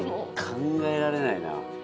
考えられないな。